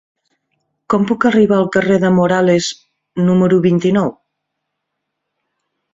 Com puc arribar al carrer de Morales número vint-i-nou?